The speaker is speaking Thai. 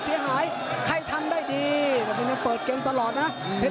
เสียหายใครทำได้ดีแต่มันยังเปิดเกมตลอดนะเพชร